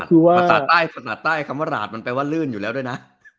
ภาษาใต้คำว่าหลาดมันแปลว่าลื่นอยู่แล้วด้วยนะ